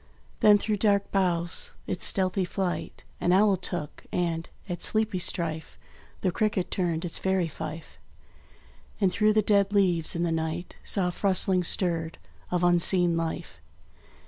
Then through dark boughs its stealthy flight An owl took; and, at sleepy strife, The cricket turned its fairy fife; And through the dead leaves, in the night, Soft rustlings stirred of unseen life.